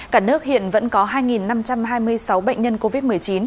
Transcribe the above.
cả nước hiện vẫn có hai năm trăm hai mươi sáu bệnh nhân covid một mươi chín